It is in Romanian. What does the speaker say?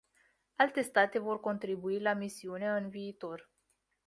Alte state vor contribui la misiune în viitor.